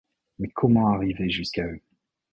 Mais comment arriver jusqu’à eux